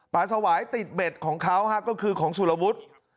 สวายติดเบ็ดของเขาก็คือของสุรวุฒิ